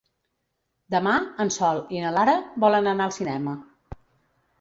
Demà en Sol i na Lara volen anar al cinema.